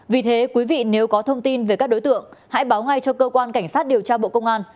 vì thế quý vị nếu có thông tin về các đối tượng hãy báo ngay cho cơ quan cảnh sát điều tra bộ công an